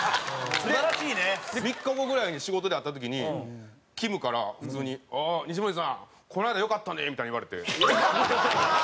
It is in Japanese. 西森：３日後ぐらいに仕事で会った時にきむから普通に「西森さん、この間良かったね」みたいに言われて。